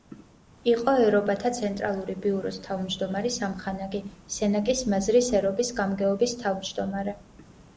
იყო ერობათა ცენტრალური ბიუროს თავმჯდომარის ამხანაგი; სენაკის მაზრის ერობის გამგეობის თავმჯდომარე.